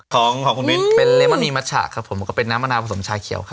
ของของผมนี่เป็นครับผมก็เป็นน้ำมะนาวผสมชาเขียวครับ